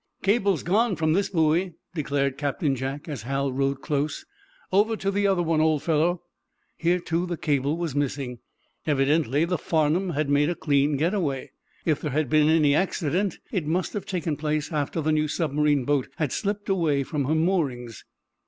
"Cable's gone from this buoy," declared Captain Jack, as Hal rowed close. "Over to the other one, old fellow." Here, too, the cable was missing. Evidently the "Farnum" had made a clean get away. If there had been any accident, it must have taken place after the new submarine boat had slipped away from her moorings.